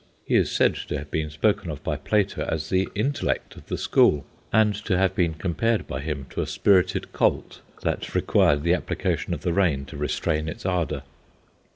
He is said to have been spoken of by Plato as "the intellect" of the school, and to have been compared by him to a spirited colt that required the application of the rein to restrain its ardour.